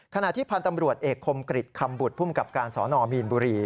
ขณะที่พันธ์ตำรวจเอกคมกริจคำบุตรภูมิกับการสนมีนบุรี